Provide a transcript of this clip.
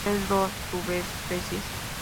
Posee dos subespecies.